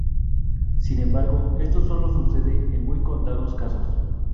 Sin embargo esto solo sucede en muy contados casos.